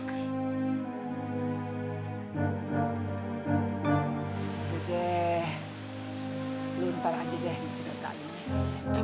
udah deh lu ntar aja deh cerita ini